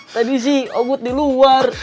tadi sih obud di luar